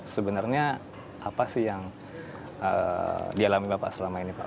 sebenarnya apa sih yang dialami pak